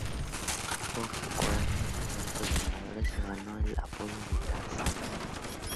Por su coraje y sus saltos voladores se ganó el apodo de "Tarzán".